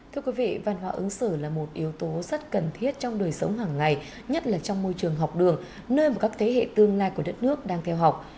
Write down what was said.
thưa quý vị văn hóa ứng xử là một yếu tố rất cần thiết trong đời sống hàng ngày nhất là trong môi trường học đường nơi mà các thế hệ tương lai của đất nước đang theo học